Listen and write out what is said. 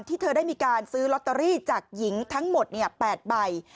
ที่เธอได้มีการซื้อล็อตเตอรี่จากหญิงทั้งหมดเนี่ยแปดใบ